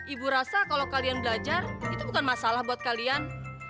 ibu rasa kalau kalian belajar itu bukan masalah buat kalian